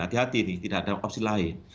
hati hati ini tidak ada opsi lain